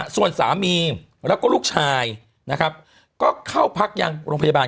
ส่วนสามีแล้วก็ลูกชายนะครับก็เข้าพักยังโรงพยาบาล